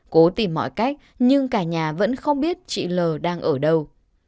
cố tìm mọi cách nhưng cả nhà vẫn không biết chị l đang ở đâu